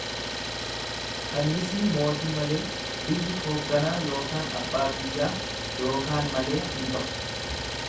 Kannisni mootii malee biyyi hogganaa yookaan abbaa biyyaa yookaan malee hin ta'u.